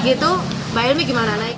gitu mbak ilmi gimana naik